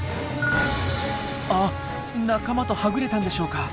あっ仲間とはぐれたんでしょうか？